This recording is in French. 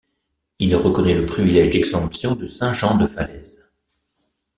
Il reconnaît le privilège d'exemption de Saint-Jean de Falaise.